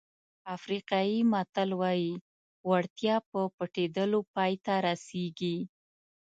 افریقایي متل وایي وړتیا په پټېدلو پای ته رسېږي.